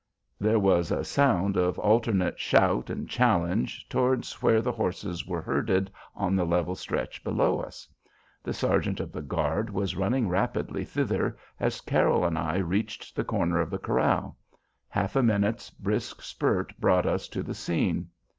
There was a sound of alternate shout and challenge towards where the horses were herded on the level stretch below us. The sergeant of the guard was running rapidly thither as Carroll and I reached the corner of the corral. Half a minute's brisk spurt brought us to the scene.